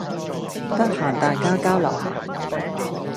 得閒大家交流下